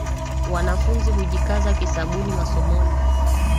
wanafunzi hujikaza kisabuni masomoni